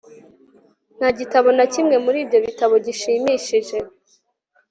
Nta gitabo na kimwe muri ibyo bitabo gishimishije